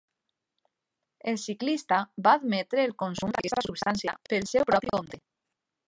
El ciclista va admetre el consum d'aquesta substància pel seu propi compte.